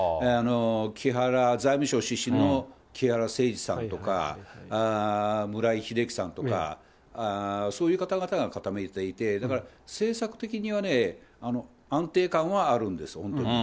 きはら財務省出身の、木原誠二さんとか、むらいひでゆきさんとかそういう方々が固めていて、だから政策的には安定感はあるんです、本当に。